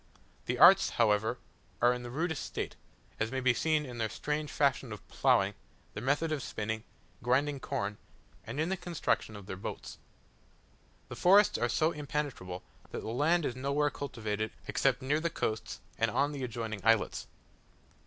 The arts, however, are in the rudest state; as may be seen in their strange fashion of ploughing, their method of spinning, grinding corn, and in the construction of their boats. The forests are so impenetrable, that the land is nowhere cultivated except near the coast and on the adjoining islets.